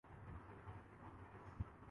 ان کی تعداد بڑھتی